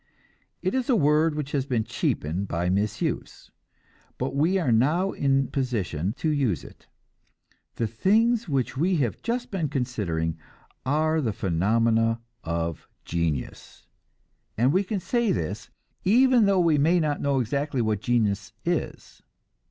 It is a word which has been cheapened by misuse, but we are now in position to use it. The things which we have just been considering are the phenomena of genius and we can say this, even though we may not know exactly what genius is.